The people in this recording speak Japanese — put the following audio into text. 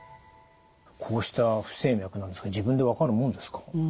こうした不整脈なんですけど自分で分かるもんですか？